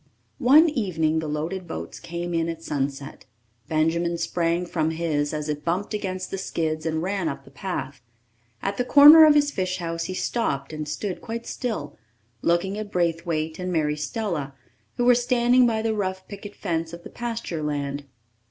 One evening the loaded boats came in at sunset. Benjamin sprang from his as it bumped against the skids, and ran up the path. At the corner of his fish house he stopped and stood quite still, looking at Braithwaite and Mary Stella, who were standing by the rough picket fence of the pasture land.